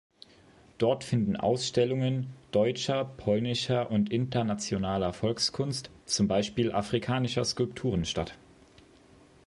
Dort finden Ausstellungen deutscher, polnischer und internationaler Volkskunst, zum Beispiel afrikanischer Skulpturen, statt.